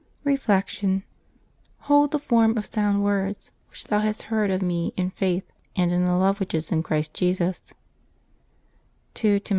Reflection. —" Hold the form of sound words, which thou hast heard of me in faith, and in the love which is in Christ Jesus'' (11. Tim.